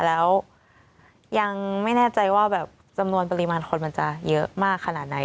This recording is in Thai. แล้วยังไม่แน่ใจว่าแบบจำนวนปริมาณคนมันจะเยอะมากขนาดไหน